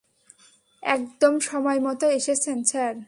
একদম সময়মতো এসেছেন, স্যার।